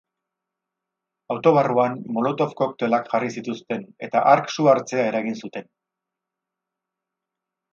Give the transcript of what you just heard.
Auto barruan molotov koktelak jarri zituzten, eta hark su hartzea eragin zuten.